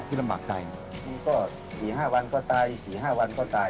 คืออีกประมาณสองถึงสิบห้าวันก็ตาย